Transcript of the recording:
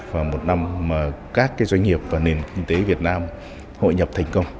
và một năm mà các doanh nghiệp và nền kinh tế việt nam hội nhập thành công